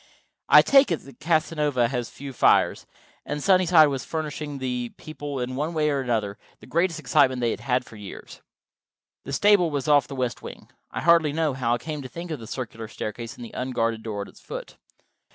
I take it Casanova has few fires, and Sunnyside was furnishing the people, in one way and another, the greatest excitement they had had for years. The stable was off the west wing. I hardly know how I came to think of the circular staircase and the unguarded door at its foot.